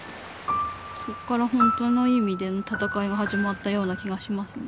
そっから本当の意味での闘いが始まったような気がしますね。